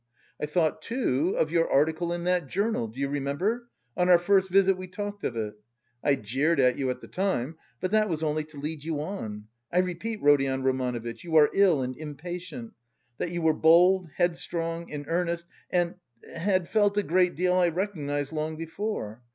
I thought, too, of your article in that journal, do you remember, on your first visit we talked of it? I jeered at you at the time, but that was only to lead you on. I repeat, Rodion Romanovitch, you are ill and impatient. That you were bold, headstrong, in earnest and... had felt a great deal I recognised long before.